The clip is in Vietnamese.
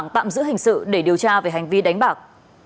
tạm giữ hình sự để điều tra về hành vi đánh bạc